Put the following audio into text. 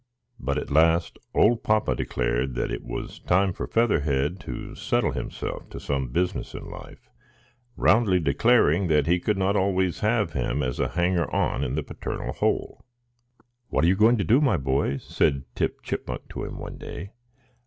But at last old papa declared that it was time for Featherhead to settle himself to some business in life, roundly declaring that he could not always have him as a hanger on in the paternal hole. "What are you going to do, my boy?" said Tip Chipmunk to him one day.